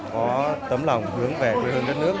có tấm lòng hướng về quê hương đất nước